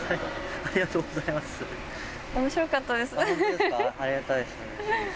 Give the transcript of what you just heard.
ありがたいです。